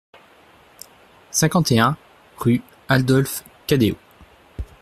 cinquante et un rue Adolphe Cadéot